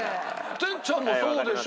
哲ちゃんもそうでしょ？